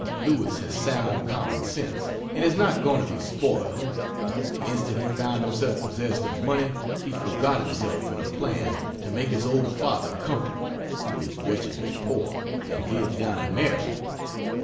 Lewis has sound common sense, and is not going to be spoiled. The instant he found himself possessed of money, he forgot himself in a plan to make his old father comfortable, who is wretchedly poor and lives down in Maryland.